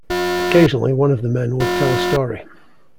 Occasionally, one of the men would tell a story.